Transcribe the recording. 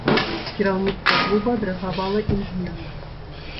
Кіраўніцтва клуба адрэагавала імгненна.